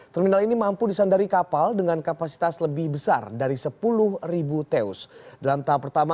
terminal ini mampu disandari kapal dengan kapasitas lebih besar dari sepuluh teus dalam tahap pertama